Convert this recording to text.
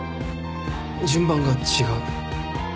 順番が違う